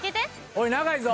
おい長いぞ。